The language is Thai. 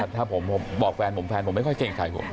ถ้าผมบอกแฟนผมแฟนผมไม่ค่อยเกรงใจผม